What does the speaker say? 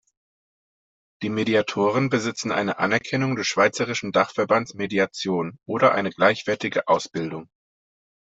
Die Mediatoren besitzen eine Anerkennung des Schweizerischen Dachverbands Mediation oder eine gleichwertige Ausbildung.